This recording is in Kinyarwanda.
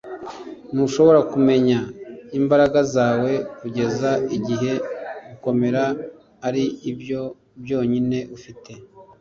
ntushobora kumenya imbaraga zawe kugeza igihe gukomera ari byo byonyine ufite